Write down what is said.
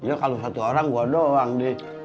iya kalau satu orang gue doang dik